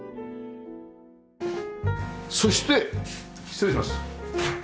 そして失礼します。